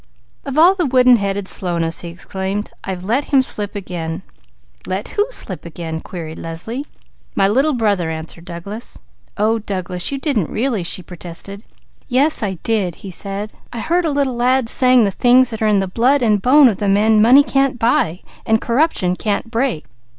"Of all the wooden head slowness!" he exclaimed. "I've let him slip again!" "Let who 'slip again?'" questioned Leslie. "My little brother!" answered he. "Oh Douglas! You didn't really?" she protested. "Yes I did," he said. "I heard a little lad saying the things that are in the blood and bone of the men money can't buy and corruption can't break.